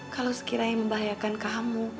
kalau sekiranya membahayakan kamu